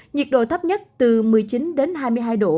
nhiệt độ thấp nhất từ một mươi chín đến hai mươi hai độ